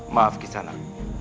maaf kisah pak